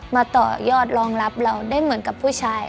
ต่อยอดรองรับเราได้เหมือนกับผู้ชาย